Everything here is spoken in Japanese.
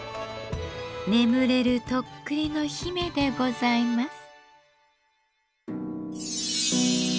眠れる徳利の姫でございます。